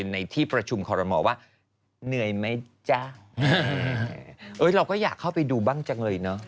ในที่ประชุมคอรมอว่าเหนื่อยไหมจ๊ะเอ้ยเราก็อยากเข้าไปดูบ้างจังเลยเนอะ